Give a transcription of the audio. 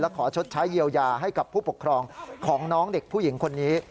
ขอชดใช้เยียวยาให้กับผู้ปกครองของน้องเด็กผู้หญิงคนนี้